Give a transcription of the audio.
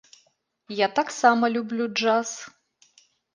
Я таксама люблю джаз.